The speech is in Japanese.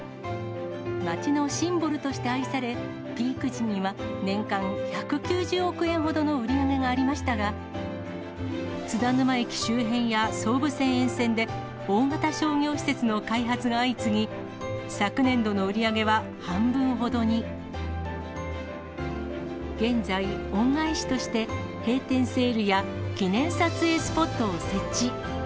街のシンボルとして愛され、ピーク時には年間１９０億円ほどの売り上げがありましたが、津田沼駅周辺や総武線沿線で大型商業施設の開発が相次ぎ、昨年度の売り上げは半分ほどに。現在、恩返しとして、閉店セールや記念撮影スポットを設置。